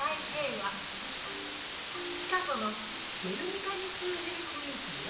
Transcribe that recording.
ピカソの「ゲルニカ」に通じる雰囲気も？